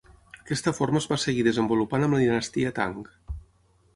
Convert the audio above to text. Aquesta forma es va seguir desenvolupant amb la dinastia Tang.